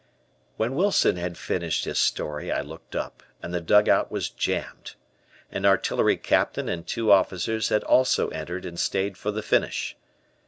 When Wilson had finished his story I looked up, and the dugout was jammed. An artillery Captain and two officers had also entered and stayed for the finish.